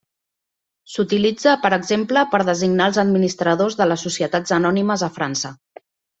S'utilitza per exemple per designar els administradors de les Societats anònimes a França.